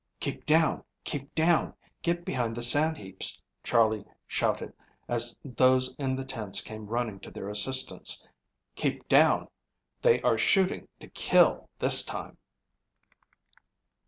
"Keep down, keep down. Get behind the sand heaps," Charley shouted, as those in the tents came running to their assistance. "Keep down. They are shooting to kill this time."